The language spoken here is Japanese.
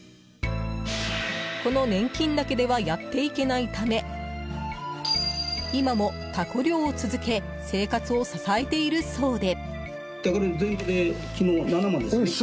この年金だけではやっていけないため今もタコ漁を続け生活を支えているそうで。